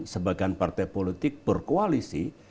sebagian partai politik berkoalisi